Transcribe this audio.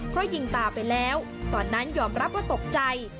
เพราะยิงตาไปแล้วตอนนั้นยอมรับว่าตกใจ